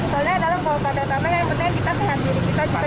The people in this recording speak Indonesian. soalnya dalam kota datangnya yang penting kita sehat diri